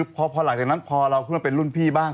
พอหลังจากนั้นพอเราขึ้นมาเป็นรุ่นพี่บ้าง